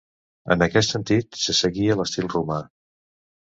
En aquest sentit se seguia l'estil romà.